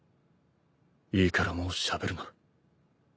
いいからもうしゃべるな。